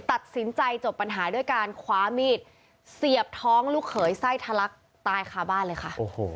ตัดสินใจจบปัญหาด้วยการคว้ามีดเสียบท้องลูกเขยไส้ทะลักตายคาบ้านเลยค่ะ